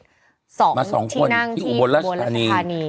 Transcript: มา๒คนที่อุบวนรัฐธานี